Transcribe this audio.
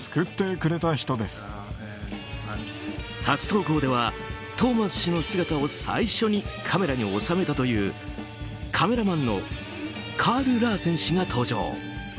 初投稿では、トーマス氏の姿を最初にカメラに収めたというカメラマンのカール・ラーセン氏が登場。